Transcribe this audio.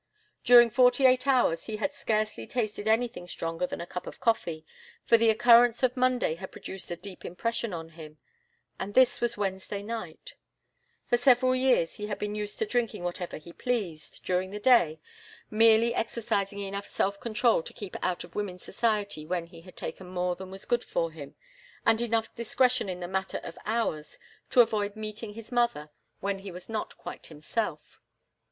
During forty eight hours he had scarcely tasted anything stronger than a cup of coffee, for the occurrence of Monday had produced a deep impression on him and this was Wednesday night. For several years he had been used to drinking whatever he pleased, during the day, merely exercising enough self control to keep out of women's society when he had taken more than was good for him, and enough discretion in the matter of hours to avoid meeting his mother when he was not quite himself.